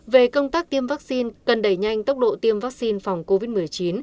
về công tác tiêm vaccine cần đẩy nhanh tốc độ tiêm vaccine phòng covid một mươi chín